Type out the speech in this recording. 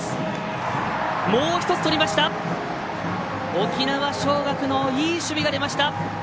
沖縄尚学のいい守備が出ました。